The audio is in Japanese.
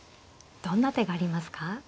どんな手がありますか。